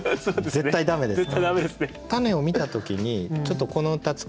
絶対駄目ですね。